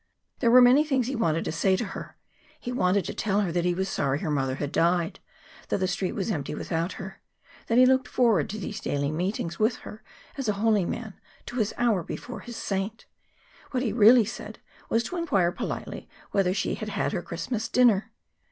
There were many things he wanted to say to her. He wanted to tell her that he was sorry her mother had died; that the Street was empty without her; that he looked forward to these daily meetings with her as a holy man to his hour before his saint. What he really said was to inquire politely whether she had had her Christmas dinner.